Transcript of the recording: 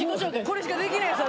これしかできないです